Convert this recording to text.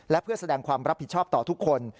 และเพื่อแสดงความรับผิดชอบต่อทุกคน